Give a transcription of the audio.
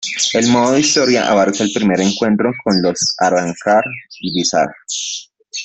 El modo historia abarca el primer encuentro con los Arrancar y Vizard.